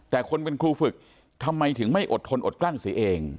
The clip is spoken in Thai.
แต่คนเป็นครูฝึกทำไมถึงไม่อดทนอดกลั้นสิเอง